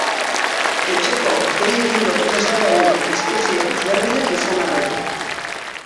Etxeko behiekin lotura estua du, espezie ezberdinak izan arren.